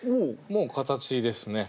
もう形ですね